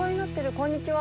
こんにちは。